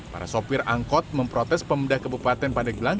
para sopir angkut memprotes pembedah kabupaten pandeglang